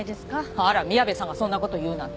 あら宮部さんがそんな事言うなんて。